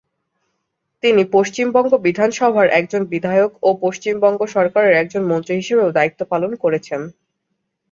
তিনি পশ্চিমবঙ্গ বিধানসভার একজন বিধায়ক ও পশ্চিমবঙ্গ সরকারের একজন মন্ত্রী হিসেবেও দায়িত্ব পালন করেছেন।